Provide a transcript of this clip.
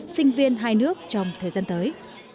sinh viên hai nước trong thời gian tới